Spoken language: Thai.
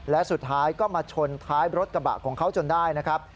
และสุดท้ายก็มาชนท้ายรถกระบะของเขาจนได้นะครับ